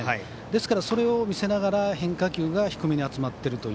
ですから、それを見せながら変化球が低めに集まっている。